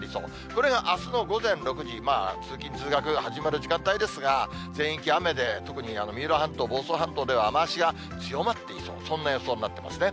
これがあすの午前６時、通勤・通学始まる時間帯ですが、全域雨で、特に三浦半島、房総半島では雨足が強まっていそう、そんな予想になっていますね。